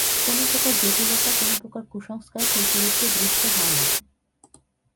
কোন প্রকার জটিলতা, কোন প্রকার কুসংস্কার সেই চরিত্রে দৃষ্ট হয় না।